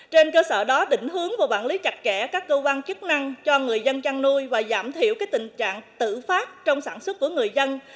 trên cơ sở đó định hướng và quản lý chặt chẽ các cơ quan chức năng cho người dân chăn nuôi và giảm thiểu tình trạng tự phát trong sản xuất của người dân